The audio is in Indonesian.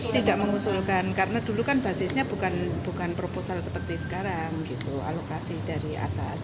tidak mengusulkan karena dulu kan basisnya bukan proposal seperti sekarang gitu alokasi dari atas